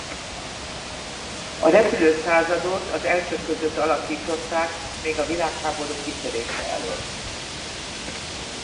A repülőszázadot az elsők között alakították még a világháború kitörése előtt.